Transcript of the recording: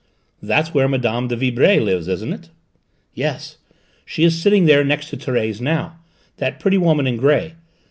"That's where Mme. de Vibray lives, isn't it?" "Yes: she is sitting next to Thérèse now: that pretty woman in grey.